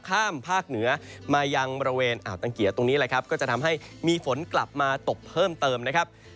ข้ามภาคเหนือมายังบริเวณอ่าวตังเกียร์ตรงนี้แหละครับก็จะทำให้มีฝนกลับมาตกเพิ่มเติมนะครับ